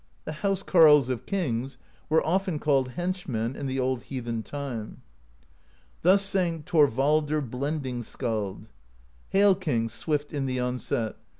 The house carles of kings were often called henchmen in the old heathen time. Thus sang Thorvaldr Blending Skald: Hail, King, swift in the onset!